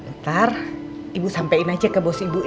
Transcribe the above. ntar ibu sampein aja ke bos ibu